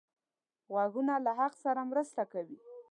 غوږونه له حق سره مرسته کوي